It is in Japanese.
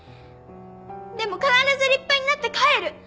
でも必ず立派になって帰る。